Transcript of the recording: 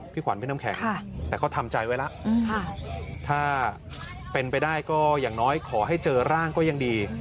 ขวัญพี่น้ำแข็งแต่ก็ทำใจไว้แล้วถ้าเป็นไปได้ก็อย่างน้อยขอให้เจอร่างก็ยังดี